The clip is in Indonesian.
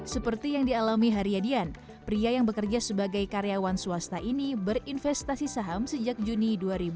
seperti yang dialami haryadian pria yang bekerja sebagai karyawan swasta ini berinvestasi saham sejak juni dua ribu dua puluh